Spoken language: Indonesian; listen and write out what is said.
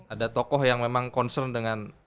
ada tokoh yang memang concern dengan